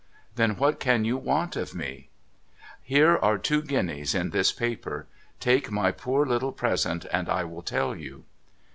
' Then what can you want of me ?' Here are two guineas in this paper. Take my poor little present, and I will tell you.'